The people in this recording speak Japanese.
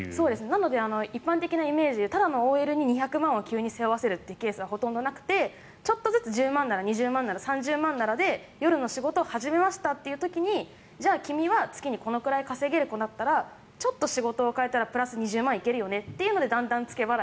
なので一般的なイメージのただのＯＬにいきなり２００万円を急に背負わせることはなくてちょっとずつ１０万円なら２０万円なら３０万ならで夜の仕事始めましたという時にじゃあ君は月にこれくらい稼げる子だったらちょっと仕事を変えたらプラス２０万円いけるよねと。